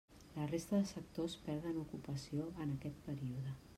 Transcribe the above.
La resta de sectors perden ocupació en aquest període.